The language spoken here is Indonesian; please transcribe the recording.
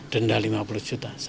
denda lima puluh juta